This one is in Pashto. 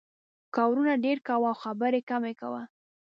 کارونه ډېر کوه او خبرې کمې کوه.